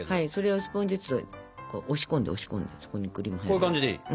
こういう感じでいい？